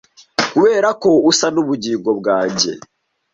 kuberako usa nubugingo bwanjye